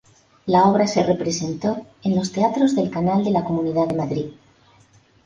La obra se representó en los Teatros del Canal de la Comunidad de Madrid.